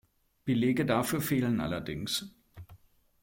Belege dafür fehlen allerdings.